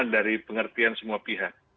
dari pengertian semua pihak